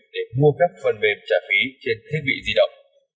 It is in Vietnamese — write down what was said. để mua các phần mềm trả phí trên thiết bị di động